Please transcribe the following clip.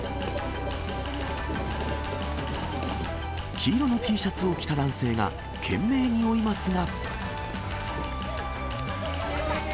黄色のＴシャツを着た男性が懸命に追いますが。